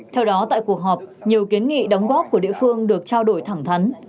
theo đó tại cuộc họp nhiều kiến nghị đóng góp của địa phương được trao đổi thẳng thắn